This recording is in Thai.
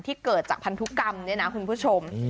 เกิดจากพันธุกรรมเนี่ยนะคุณผู้ชม